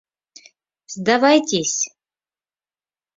Сдавайтесь!